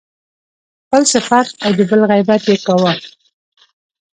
خپل صفت او د بل غیبت يې کاوه.